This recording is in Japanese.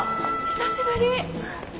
久しぶり。